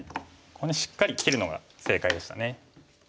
ここにしっかり切るのが正解でしたね。